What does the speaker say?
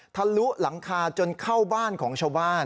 ทะลุหลังคาจนเข้าบ้านของชาวบ้าน